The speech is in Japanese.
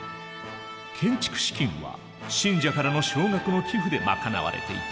建築資金は信者からの少額の寄付で賄われていた。